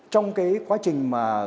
trong cái quá trình mà